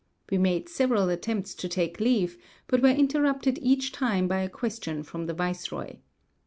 We made several attempts to take leave, but were interrupted each time by a question from the viceroy.